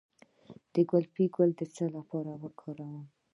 د ګلپي ګل د څه لپاره وکاروم؟